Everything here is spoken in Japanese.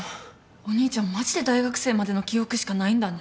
お兄ちゃんマジで大学生までの記憶しかないんだね。